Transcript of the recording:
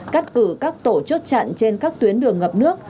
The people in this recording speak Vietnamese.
cắt cử các tổ chốt chặn trên các tuyến đường ngập nước